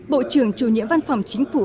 bộ trưởng chủ nhiễm văn phòng chính phủ